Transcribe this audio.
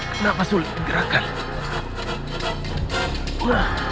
kenapa sulit gerakan